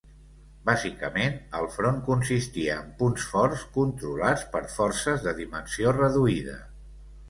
Bàsicament, el front consistia en punts forts controlats per forces de dimensió reduïda.